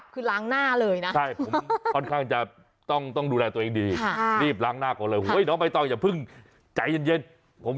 คือคนชนะเขากลับคือล้างหน้าเลยนะ